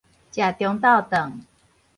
食中晝頓